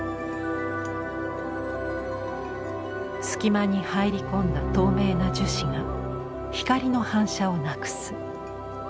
すき間に入り込んだ透明な樹脂が光の反射をなくす。